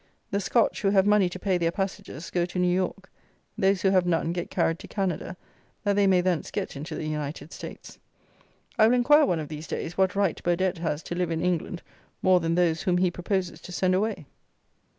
The Scotch, who have money to pay their passages, go to New York; those who have none get carried to Canada, that they may thence get into the United States. I will inquire, one of these days, what right Burdett has to live in England more than those whom he proposes to send away.